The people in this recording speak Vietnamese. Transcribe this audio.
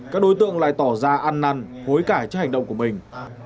các đối tượng lại tỏ ra ăn năn hối cãi cho hành động của mình